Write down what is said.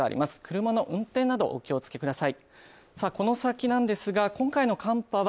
車の運転などお気を付けください。